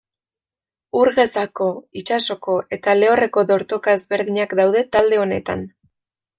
Ur gezako, itsasoko eta lehorreko dortoka ezberdinak daude talde honetan.